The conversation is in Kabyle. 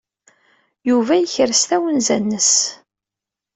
Yuba yekres tawenza-nnes.